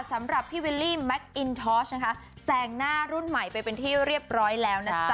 สำหรับพี่วิลลี่แซงหน้ารุ่นใหม่ไปเป็นที่เรียบร้อยแล้วนะจ๊ะ